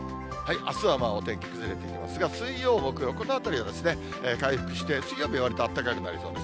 あすはお天気崩れてきますが、水曜、木曜、このあたりは回復して、水曜日はわりとあったかくなりそうです。